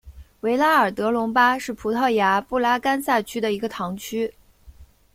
维拉尔德隆巴是葡萄牙布拉干萨区的一个堂区。